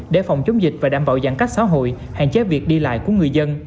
để phòng chống dịch và đảm bảo giãn cách xã hội hạn chế việc đi lại của người dân